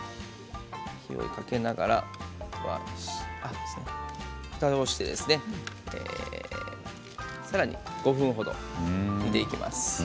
火をかけながらふたをして、さらに５分程煮ていきます。